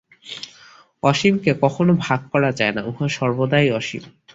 অসীমকে কখনও ভাগ করা যায় না, উহা সর্বদাই অসীম।